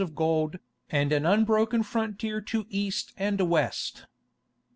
of gold, and an unbroken frontier to East and West.